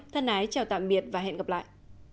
thân ái chào tạm biệt và hẹn gặp lại